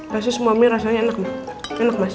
pasti semua mie rasanya enak mas